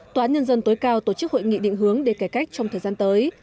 tòa án nhân dân tối cao tổ chức hội nghị định hướng để cải cách trong thời gian tới